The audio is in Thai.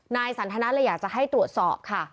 นายสันทนาเลยอยากจะให้ตรวจสอบค่ะ